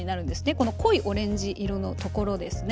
この濃いオレンジ色のところですね。